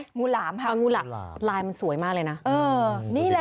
งูหลามครับกูหลามแล้วจะมันสวยมากเลยนะ